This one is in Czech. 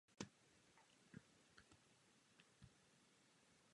Jde o jednolodní stavbu s polygonálním presbytářem a malou sakristií.